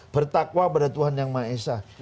bertakwa pada tuhan yang maha esa